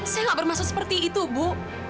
saya nggak bermaksud seperti itu bu